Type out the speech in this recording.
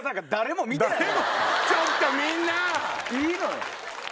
ちょっとみんな！いいのよ。